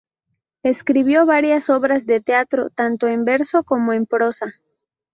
Escribió varias obras de teatro, tanto en verso como en prosa.